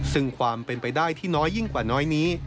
ซึ่งความเป็นไปได้ที่น้อยยิ่งกว่าน้อยนี้